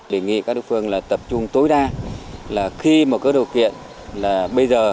đề nghị các địa phương là tập trung tối đa là khi mà có điều kiện là bây giờ